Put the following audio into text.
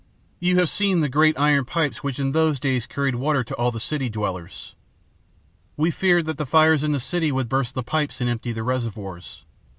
You have seen the great iron pipes which in those days carried water to all the city dwellers. We feared that the fires in the city would burst the pipes and empty the reservoirs.